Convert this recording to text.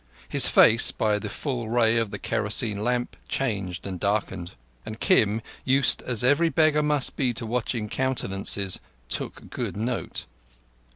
His face, by the full ray of the kerosene lamp, changed and darkened, and Kim, used as every beggar must be to watching countenances, took good note.